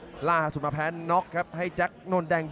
อื้อหือจังหวะขวางแล้วพยายามจะเล่นงานด้วยซอกแต่วงใน